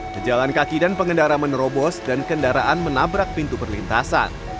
pejalan kaki dan pengendara menerobos dan kendaraan menabrak pintu perlintasan